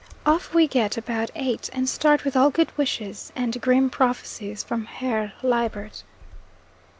Off we get about 8, and start with all good wishes, and grim prophecies, from Herr Liebert.